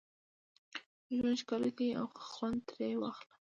ژوند ښکلی دی او خوند ترې واخله